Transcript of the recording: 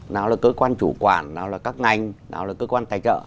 nào là cơ quan chủ quản nào là các ngành nào là cơ quan tài trợ